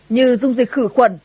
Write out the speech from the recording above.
như dung dịch khử khuẩn